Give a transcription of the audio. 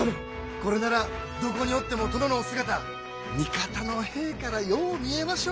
これならどこにおっても殿のお姿味方の兵からよう見えましょう。